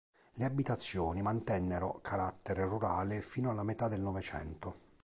Le abitazioni mantennero carattere rurale fino alla metà del Novecento.